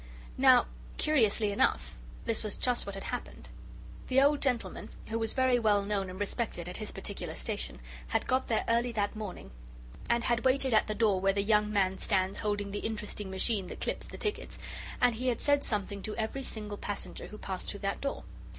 Now, curiously enough, this was just what had happened. The old gentleman, who was very well known and respected at his particular station, had got there early that morning, and he had waited at the door where the young man stands holding the interesting machine that clips the tickets, and he had said something to every single passenger who passed through that door.